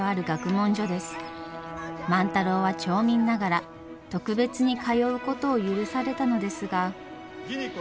万太郎は町民ながら特別に通うことを許されたのですが。